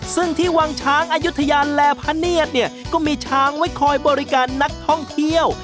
ซึ่งที่วังช้างอายุทยาและพระเนียดเนี่ยก็มีช้างไว้คอยบริการนักท่องเที่ยว